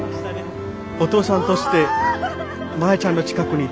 お父さんとしてマヤちゃんの近くにいたい。